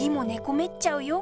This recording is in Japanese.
こめっちゃうよ。